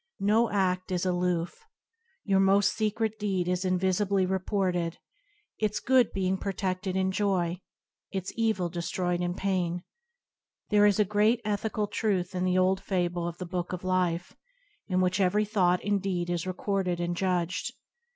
No ad is aloof. Your most secret deed is invisibly reported, its good being proteded in joy, its evil destroyed in pain. There is a great ethical truth in the old fable of "the Book of Life," in which every thought and deed is recorded and judged.